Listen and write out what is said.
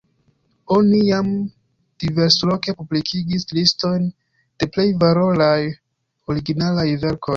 Oni jam diversloke publikigis listojn de plej valoraj originalaj verkoj.